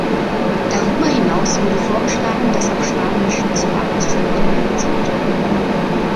Darüber hinaus wurde vorgeschlagen, dass auch Spanisch zur Arbeitssprache werden sollte.